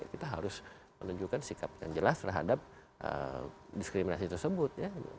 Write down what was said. kita harus menunjukkan sikap yang jelas terhadap diskriminasi tersebut ya